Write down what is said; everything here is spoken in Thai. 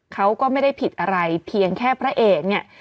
เขาก็ไม่ได้ผิดอะไรเพียงแค่พระเอกเนี่ย